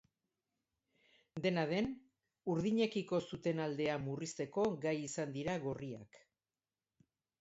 Dena den, urdinekiko zuten aldea murrizteko gai izan dira gorriak.